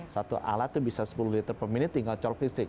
satu alat itu bisa sepuluh liter per menit tinggal colok listrik